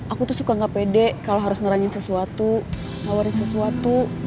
aku tuh suka gak pede kalau harus ngerangin sesuatu nawarin sesuatu